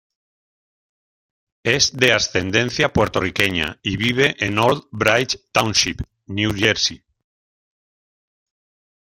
Es de ascendencia puertorriqueña y vive en Old Bridge Township, New Jersey.